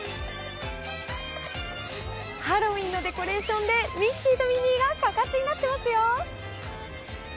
ハロウィーンのデコレーションでミッキーとミニーがかかしになっていますよ！